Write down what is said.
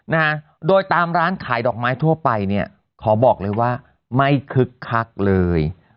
นะฮะโดยตามร้านขายดอกไม้ทั่วไปเนี่ยขอบอกเลยว่าไม่คึกคักเลย